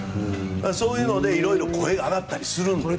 そういうのでいろいろ声が上がったりするんです。